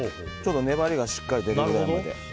粘りがしっかり出るくらいまで。